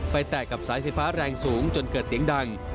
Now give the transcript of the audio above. แตกกับสายไฟฟ้าแรงสูงจนเกิดเสียงดัง